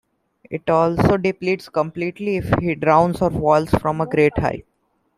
It also depletes completely if he drowns or falls from a great height.